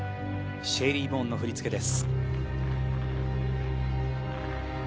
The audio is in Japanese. シェイリーン・ボーンの振り付けです。